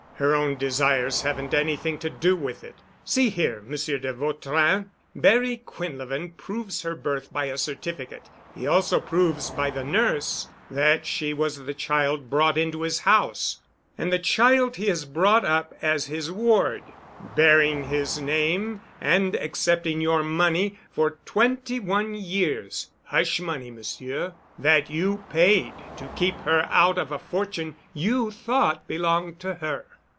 "Her own desires haven't anything to do with it. See here, Monsieur de Vautrin—Barry Quinlevin proves her birth by a certificate; he also proves by the nurse that she was the child brought into his house, and the child he has brought up as his ward, bearing his name and accepting your money for twenty one years—hush money, monsieur, that you paid to keep her out of a fortune you thought belonged to her."